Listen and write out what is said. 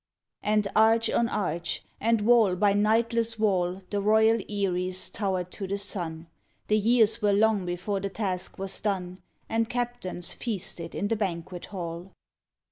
And arch on arch and wall by nightless wall The royal eyries towered to the sun ... The years were long before the task was done And captains feasted in the banquet hall.